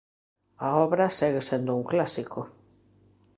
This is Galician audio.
A obra segue sendo un clásico.